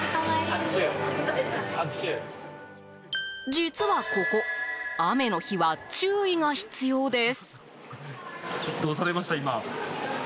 実はここ雨の日は注意が必要です。